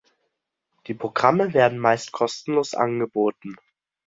Die Programme werden meist kostenlos angeboten.